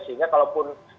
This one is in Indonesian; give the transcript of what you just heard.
sehingga kalau pun